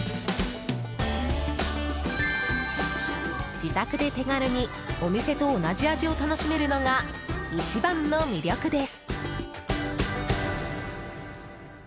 自宅で手軽にお店と同じ味を楽しめるのが一番の魅力です。